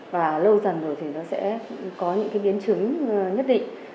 và lâu dần rồi thì nó sẽ có những cái biến chứng nhất định